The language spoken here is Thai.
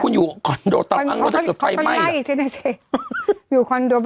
คุณอยู่คอนโดเตาอังโลถ้าเกิดใครไหมคอนโด